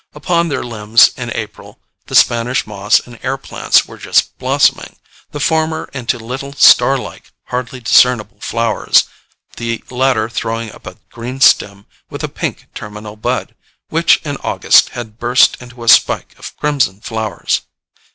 Upon their limbs in April the Spanish moss and air plants were just blossoming, the former into little star like, hardly discernible flowers, the latter throwing up a green stem with a pink terminal bud, which in August had burst into a spike of crimson flowers.